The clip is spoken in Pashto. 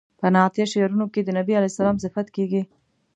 په نعتیه شعرونو کې د بني علیه السلام صفت کیږي.